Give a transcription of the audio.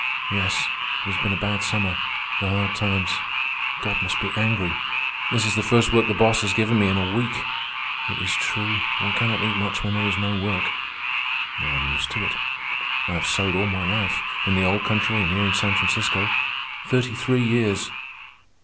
"Yes, it has been a bad summer. The hard times. God must be angry. This is the first work the boss has given me in a week. It is true, one cannot eat much when there is no work. I am used to it. I have sewed all my life, in the old country and here in San Francisco—thirty three years.